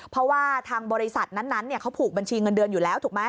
เพราะว่าทางบริษัทนั้นเขาผูกบัญชีเงินเดือนอยู่แล้วถูกไหม